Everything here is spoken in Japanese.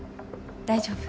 大丈夫。